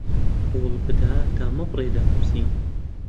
هەوڵ بدە دامەبڕێ لە نووسین